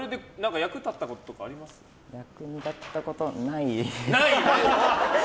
役に立ったことはないです。